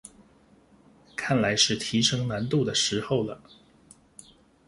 看來是提升難度的時候了